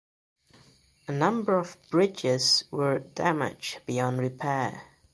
A number of bridges were damaged beyond repair.